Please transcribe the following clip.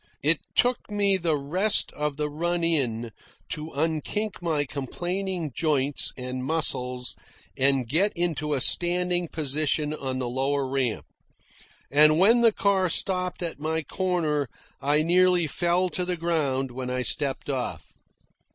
It took me the rest of the run in to unkink my complaining joints and muscles and get into a standing position on the lower step. And when the car stopped at my corner I nearly fell to the ground when I stepped off.